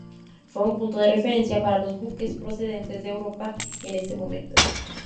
Fue un punto de referencia para los buques procedentes de Europa en ese momento.